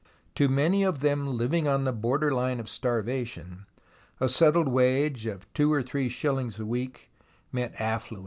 To many of them, living on the border line of starvation, a settled wage of two or three shillings a week meant affluence.